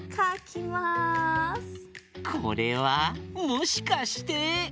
これはもしかして。